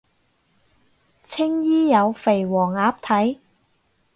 青衣有肥黃鴨睇